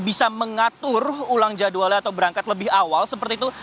bisa mengatur ulang jadwalnya atau berangkat lebih awal seperti itu